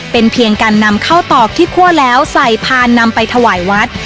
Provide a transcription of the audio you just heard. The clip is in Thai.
เป็นเพียงการนำข้าวตอกที่คั่วแล้วใส่พานนำไปถวายวัด